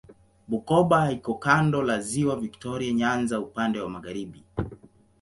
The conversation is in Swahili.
Bukoba iko kando la Ziwa Viktoria Nyanza upande wa magharibi.